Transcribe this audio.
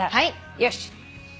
よし。